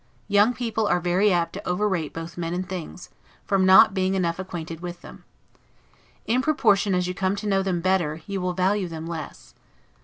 Young people are very apt to overrate both men and things, from not being enough acquainted with them. In proportion as you come to know them better, you will value them less.